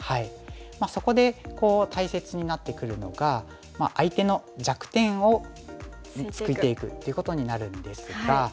そこで大切になってくるのが相手の弱点をついていくっていうことになるんですが。